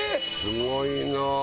すごいな！